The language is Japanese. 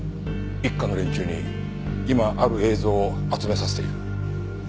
一課の連中に今ある映像を集めさせている。